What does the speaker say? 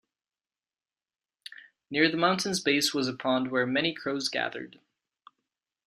Near the mountain's base was a pond where many crows gathered.